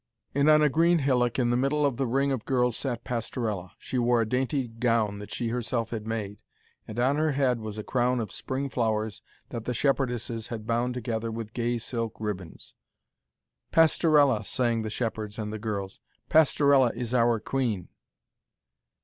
And on a green hillock in the middle of the ring of girls sat Pastorella. She wore a dainty gown that she herself had made, and on her head was a crown of spring flowers that the shepherdesses had bound together with gay silken ribbons. 'Pastorella,' sang the shepherds and the girls, 'Pastorella is our queen.'